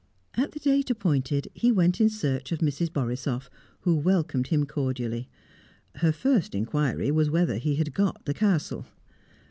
At the date appointed, he went in search of Mrs. Borisoff, who welcomed him cordially. Her first inquiry was whether he had got the Castle.